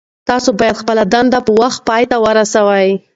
تاسو باید خپله دنده په وخت پای ته ورسوئ.